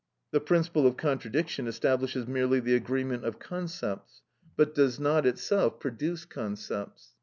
The principle of contradiction establishes merely the agreement of concepts, but does not itself produce concepts.